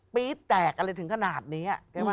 ปี๊ดแตกอะไรถึงขนาดนี้